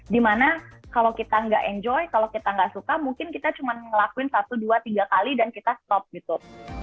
dimana kalau kita nggak enjoy kalau kita nggak suka mungkin kita cuma ngelakuin satu dua tiga kali dan kita stop gitu